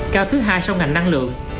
cao thứ hai sau ngành năng lượng